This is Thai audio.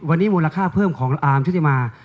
วันนี้มูลค่าเพิ่มของอาร์มชุติมา